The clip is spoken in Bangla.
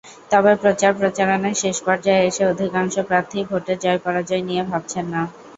তবে প্রচার-প্রচারণায় শেষ পর্যায়ে এসে অধিকাংশ প্রার্থীই ভোটে জয়-পরাজয় নিয়ে ভাবছেন না।